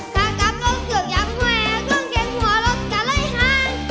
ข้างกับเราเกือบอย่างแหวนกล้องแข็งหัวลดกันไล่ห้าง